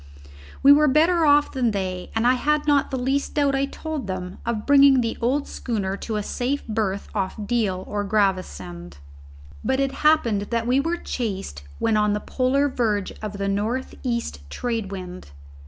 We were better off than they, and I had not the least doubt, I told them, of bringing the old schooner to a safe berth off Deal or Gravesend. But it happened that we were chased when on the polar verge of the North East Trade wind.